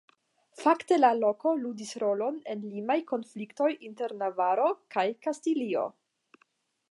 Fakte la loko ludis rolon en limaj konfliktoj inter Navaro kaj Kastilio.